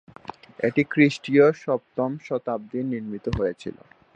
এটি খ্রিস্টীয় সপ্তম শতাব্দীতে নির্মিত হয়েছিল।